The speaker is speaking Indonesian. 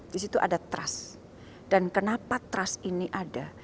disitu ada trust dan kenapa trust ini ada